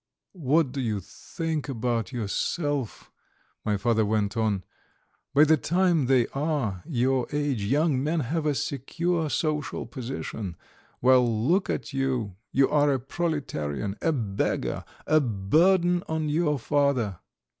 "What do you think about yourself?" my father went on. "By the time they are your age, young men have a secure social position, while look at you: you are a proletarian, a beggar, a burden on your father!"